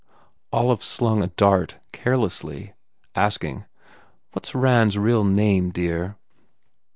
Olive slung a dart carelessly, asking, "What s Rand s real name, dear?"